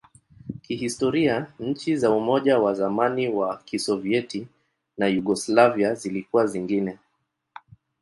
Kihistoria, nchi za Umoja wa zamani wa Kisovyeti na Yugoslavia zilikuwa zingine.